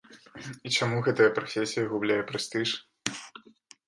І чаму гэта прафесія губляе прэстыж?